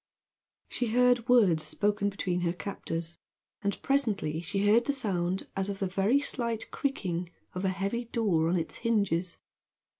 She heard words spoken between her captors, and presently she heard a sound as of the very slight creaking of a heavy door on its hinges.